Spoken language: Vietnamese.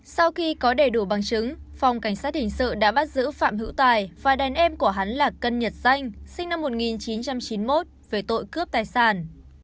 sau khi có đầy đủ bằng chứng phòng cảnh sát hình sự đã bắt giữ phạm hữu tài và đàn em của hắn là cân nhật danh sinh năm một nghìn chín trăm chín mươi một về tội cướp tài sản